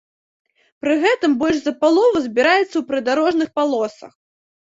Пры гэтым больш за палову збіраецца ў прыдарожных палосах.